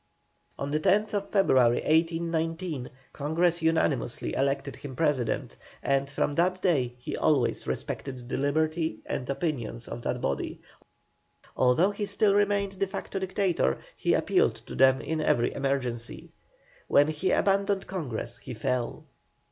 On the 10th February, 1819, Congress unanimously elected him President, and from that day he always respected the liberty and opinions of that body; although he still remained de facto Dictator, he appealed to them in every emergency. When he abandoned Congress he fell.